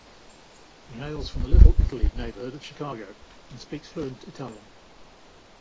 He hails from the Little Italy neighborhood of Chicago and speaks fluent Italian.